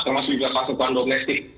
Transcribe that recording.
termasuk juga pasar keuangan domestik